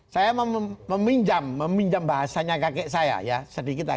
saya meminjam bahasanya kakek saya ya sedikit aja